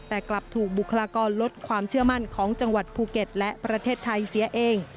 แต่กลับถูกบุคลากรลดความเชื่อมั่นของจังหวัดภูเก็ตและประเทศไทยเสียเอง